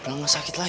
belum sakit lagi